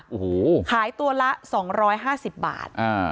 โอ้โหขายตัวละสองร้อยห้าสิบบาทอ่า